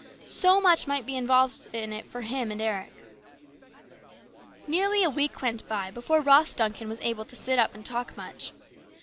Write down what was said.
So much might be involved in it for him and Eric. Nearly a week went by before Ross Duncan was able to sit up and talk much.